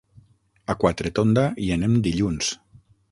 A Quatretonda hi anem dilluns.